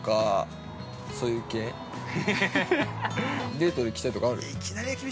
◆デートで行きたいとこある？